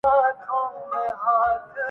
کریں گے اہل نظر تازہ بستیاں آباد